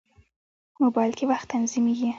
موبایل کې وخت تنظیمېږي.